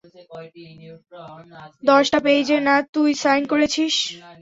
দশটা পেইজে না তুই সাইন করেছিস?